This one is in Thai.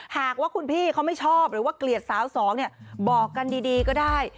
หากว่าคุณพี่เขาไม่ชอบหรือว่าเกลียดสาวสองเนี่ยบอกกันดีก็ได้